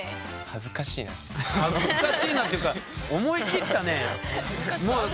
恥ずかしいなっていうか思い切ったね。